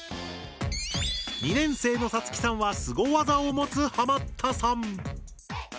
２年生のさつきさんはスゴ技を持つハマったさん！